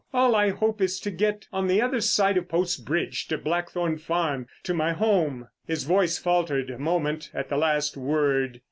All I hope is to get on the other side of Post Bridge to Blackthorn Farm—to my home." His voice faltered a moment at the last word.